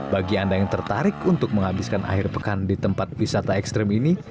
bagi anda yang tertarik untuk menghabiskan akhir pekan di tempat wisata ekstrim ini